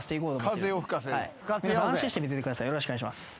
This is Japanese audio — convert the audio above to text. よろしくお願いします。